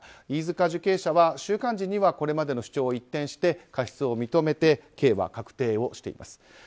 飯塚受刑者は、収監時にはこれまでの主張を一転して過失を認めて刑は確定をしています。